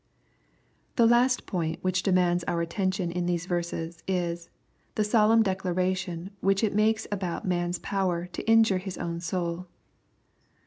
The last point which demands our attention in these verses is, the solemn declaration which it makes aboui mari s jpoiwer to injure his own soul.